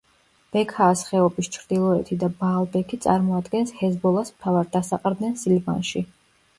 ბექაას ხეობის ჩრდილოეთი და ბაალბექი წარმოადგენს ჰეზბოლას მთავარ დასაყრდენს ლიბანში.